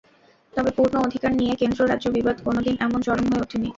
তবে পূর্ণ অধিকার নিয়ে কেন্দ্র-রাজ্য বিবাদ কোনো দিন এমন চরম হয়ে ওঠেনি।